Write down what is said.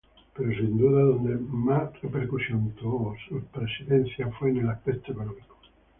Pero sin duda, donde más repercusión tuvieron sus presidencias fue en el aspecto económico.